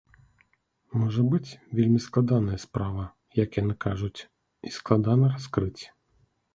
Можа быць, вельмі складаная справа, як яны кажуць, і складана раскрыць.